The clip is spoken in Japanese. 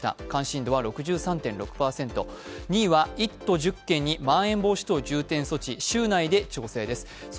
関心度は６３．６％２位は１都１０県にまん延防止等重点措置、週内で調整です。